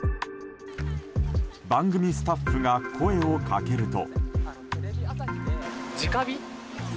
番組スタッフが声をかけると。